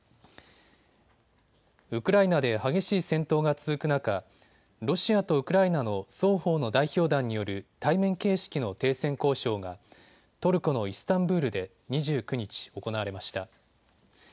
ウクライナで激しい戦闘が続く中、ロシアとウクライナの双方の代表団による対面形式の停戦交渉がトルコのイスタンブールで２９日、行われました。